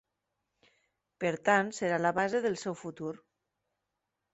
Per tant, serà la base del seu futur.